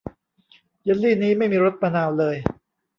เยลลีนี้ไม่มีรสมะนาวเลย